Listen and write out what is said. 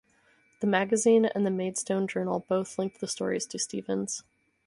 The magazine and the "Maidstone Journal" both linked the story to Stevens.